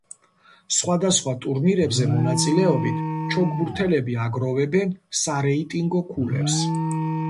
სხვადასხვა ტურნირებზე მონაწილეობით, ჩოგბურთელები აგროვებენ სარეიტინგო ქულებს.